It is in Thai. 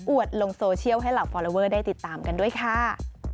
อวดลงโซเชียลให้หลักฟอร์เลเวอร์ได้ติดตามกันด้วยค่ะ